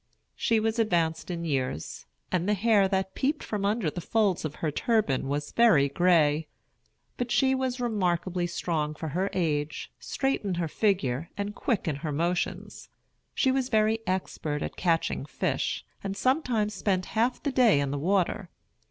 She was advanced in years, and the hair that peeped from under the folds of her turban was very gray. But she was remarkably strong for her age, straight in her figure, and quick in her motions. She was very expert at catching fish, and sometimes spent half the day in the water.